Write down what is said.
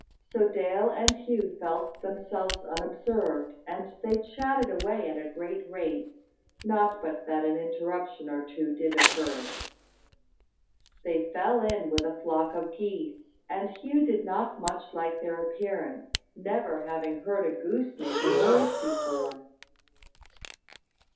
So Dale and Hugh felt themselves unobserved, and they chatted away at a great rate. Not but that an interruption or two did occur. They fell in with a flock of geese, and Hugh did not much like their appearance, never having heard a goose make a noise before.